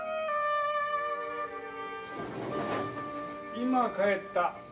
・今帰った。